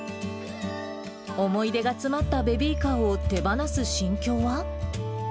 思い出が詰まったベビーカーを手離す心境は？